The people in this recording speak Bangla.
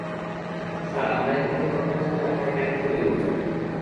স্যার, আমরা এখান থেকে কনফারেন্স করে আপনাকে কানেক্ট করে দিবো কেনো?